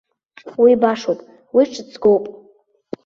Уи башоуп, уи ҽыҵгоуп.